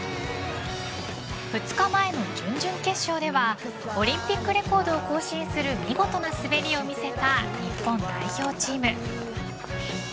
２日前の準々決勝ではオリンピックレコードを更新する見事な滑りを見せた日本代表チーム。